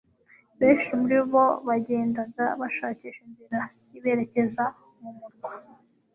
Benshi muri bo bagendaga bashakisha inzira, iberekeza mu murwa,